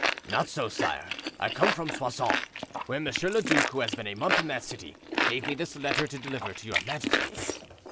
"Not so, sire; I come from Soissons, where M. le Duc, who has been a month in that city, gave me this letter to deliver to your majesty."